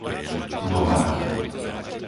Nováky